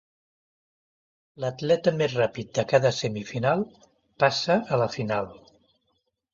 L'atleta més ràpid de cada semifinal passa a la final.